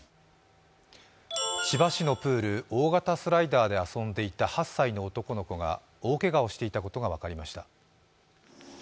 千葉市のプール、大型スライダーで遊んでいた８歳の男の子が大けがをしていたことが分かりました。